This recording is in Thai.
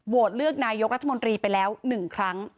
เลือกนายกรัฐมนตรีไปแล้ว๑ครั้ง